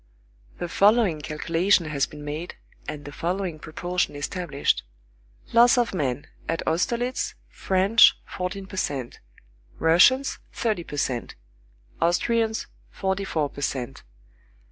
The following calculation has been made, and the following proportion established: Loss of men: at Austerlitz, French, fourteen per cent; Russians, thirty per cent; Austrians, forty four per cent.